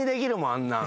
あんなん。